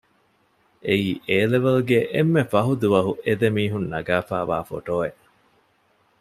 އެއީ އޭލެވެލް ގެ އެންމެ ފަހު ދުވަހު އެ ދެމީހުން ނަގާފައިވާ ފޮޓޯއެއް